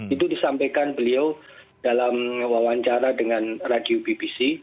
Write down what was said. itu disampaikan beliau dalam wawancara dengan radio bbc